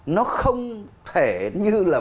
nó không thể như là